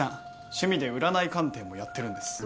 趣味で占い鑑定もやってるんです。